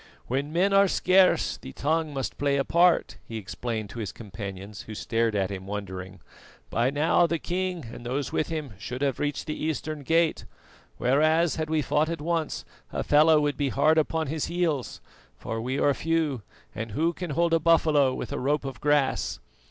"When men are scarce the tongue must play a part," he explained to his companions, who stared at him wondering. "By now the king and those with him should have reached the eastern gate; whereas, had we fought at once, Hafela would be hard upon his heels, for we are few, and who can hold a buffalo with a rope of grass?